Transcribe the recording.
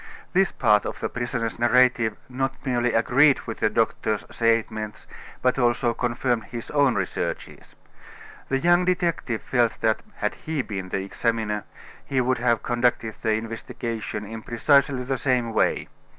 This part of the prisoner's narrative not merely agreed with the doctor's statements, but also confirmed his own researches. The young detective felt that, had he been the examiner, he would have conducted the investigation in precisely the same way.